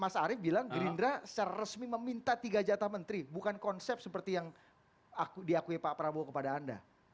mas arief bilang gerindra secara resmi meminta tiga jatah menteri bukan konsep seperti yang diakui pak prabowo kepada anda